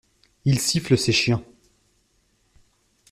Il siffle ses chiens.